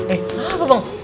eh kenapa bang